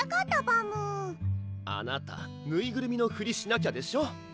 パムあなたぬいぐるみのふりしなきゃでしょ